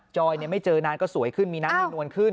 จอยเนี่ยไม่เจอนานก็สวยขึ้นมีนักแน่นวนขึ้น